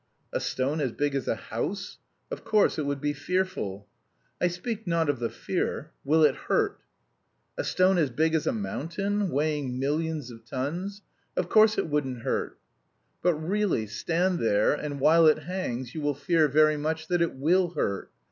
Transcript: "A stone as big as a house? Of course it would be fearful." "I speak not of the fear. Will it hurt?" "A stone as big as a mountain, weighing millions of tons? Of course it wouldn't hurt." "But really stand there and while it hangs you will fear very much that it will hurt.